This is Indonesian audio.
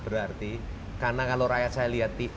berarti karena kalau rakyat saya lihat